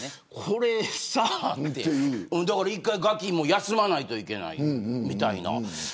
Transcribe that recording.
これさあって１回ガキも休まないといけないみたいな。